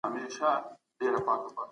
برېښنايي کتابونه مطالعه اسانه کوي.